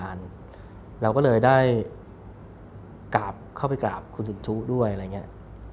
แล้วก็แล้วก็เลยได้กราฟครอบคุณศีลทุด้วยอะไรอย่างเงี้ย